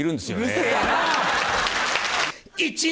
うるせえな。